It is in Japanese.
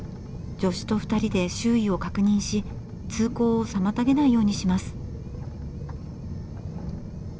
助手と２人で周囲を確認し通行を妨げないようにします。